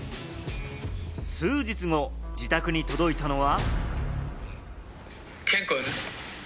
数日後、自宅に届いたのは。